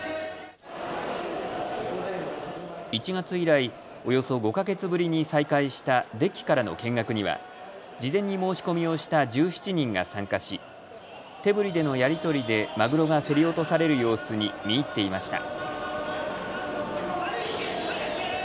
１月以来、およそ５か月ぶりに再開したデッキからの見学には事前に申し込みをした１７人が参加し、手ぶりでのやり取りでマグロが競り落とされる様子に見入っていました。